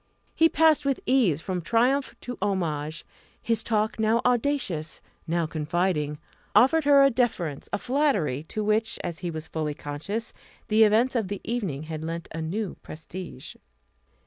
He passed with ease from triumph to homage; his talk now audacious, now confiding, offered her a deference, a flattery, to which, as he was fully conscious, the events of the evening had lent a new prestige.